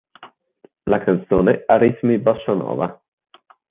La canzone ha ritmi bossa nova.